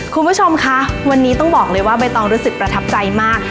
คุณผู้ชมคะวันนี้ต้องบอกเลยว่าใบตองรู้สึกประทับใจมาก